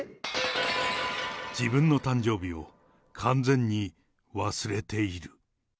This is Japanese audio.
自分の誕生日を完全に忘れている。